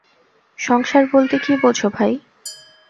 সংসার বলতে কী বোঝ ভাই?